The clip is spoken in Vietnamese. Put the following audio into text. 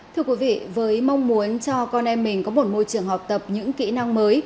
thưa quý vị với mong muốn cho con em mình có một môi trường học tập những kỹ năng mới